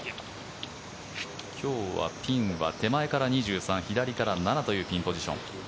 今日はピンは手前から２３左から７というピンポジション。